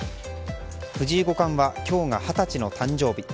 藤井五冠は今日が二十歳の誕生日。